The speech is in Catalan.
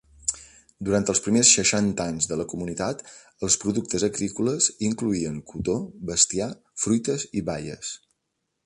Durant els primers seixanta anys de la comunitat, els productes agrícoles incloïen cotó, bestiar, fruites i baies.